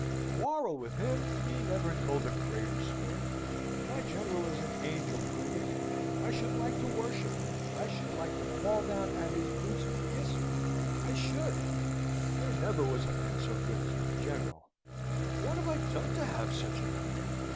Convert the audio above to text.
"Quarrel with him? He never told a greater story. My General is an angel, Quiggett. I should like to worship him. I should like to fall down at his boots and kiss 'em, I should! There never was a man so good as my General. What have I done to have such a man?